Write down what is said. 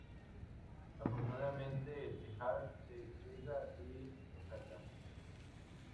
Afortunadamente Teal'c llega y lo saca.